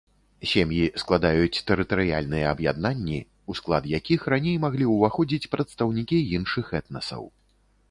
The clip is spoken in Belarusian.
Сем'і складаюць тэрытарыяльныя аб'яднанні, у склад якіх раней маглі ўваходзіць прадстаўнікі іншых этнасаў.